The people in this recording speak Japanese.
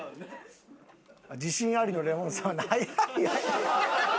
自信ありのレモンサワー早い！